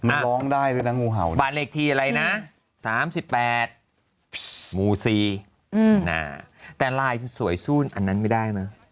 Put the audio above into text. บานอีกทีอะไรนะ๓๘หมูซีแต่ลายสวยสู้นอันนั้นไม่ได้นะ